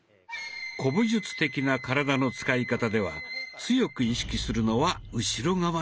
古武術的な体の使い方では強く意識するのは後ろ側ですよ。